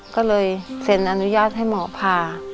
ก็เลยเซ็นอนุญาตให้หมอพา